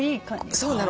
そうなの。